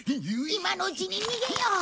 今のうちに逃げよう！